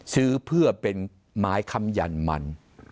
ซื้อเพื่อเป็นไม้คำหยันมัน